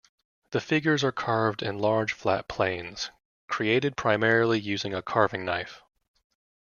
The figures are carved in large flat planes, created primarily using a carving knife.